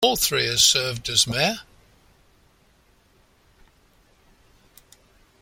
All three have served as Mayor.